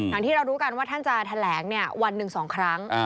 อย่างที่เรารู้กันว่าท่านจะแถลงวันหนึ่ง๒ครั้ง